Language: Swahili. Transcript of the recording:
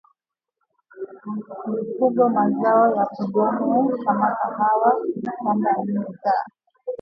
mifugo mazao ya kudumu kama kahawa Kuna kanda nne za